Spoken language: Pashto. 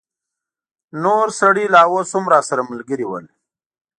نور سړي لا اوس هم راسره ملګري ول.